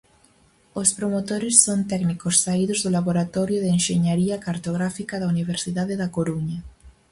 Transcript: Os promotores son técnicos saídos do Laboratorio de Enxeñaría Cartográfica da Universidade da Coruña.